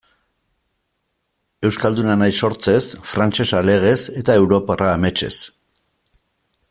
Euskalduna naiz sortzez, frantsesa legez, eta europarra ametsez.